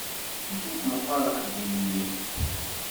Ifukk meqqar axeddim-nni.